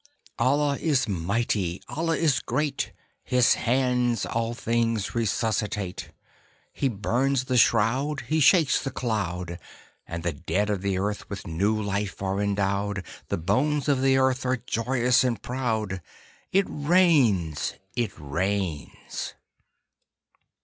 Allah is mighty, Allah is great, His hands all things resuscitate; He burns the shroud, He shakes the cloud, And the dead of the earth with new life are endowed,— The bones of the earth are joyous and proud;— It rains, it rains!